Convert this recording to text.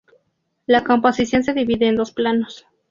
La composición se divide en dos planos.